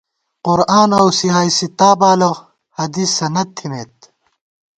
قرآن اؤ صحاحِ ستّا بالہ حدیثہ سند تھِمېت